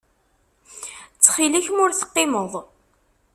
Ttxil-k ma ur teqqimeḍ.